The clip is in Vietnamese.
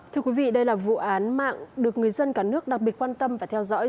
thưa quý vị đây là vụ án mạng được người dân cả nước đặc biệt quan tâm và theo dõi